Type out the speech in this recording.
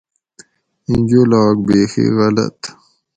ایں جولاگ بیخی غلط